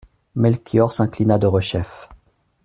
Melchior s'inclina derechef.